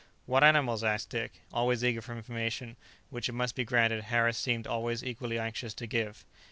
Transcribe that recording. "What animals?" asked Dick, always eager for information, which it must be granted Harris seemed always equally anxious to give.